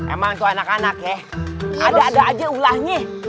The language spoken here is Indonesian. emang itu anak anak ya ada ada aja ulahnya